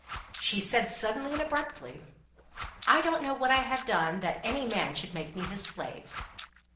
She said suddenly and abruptly, "I don't know what I have done that any man should make me his slave."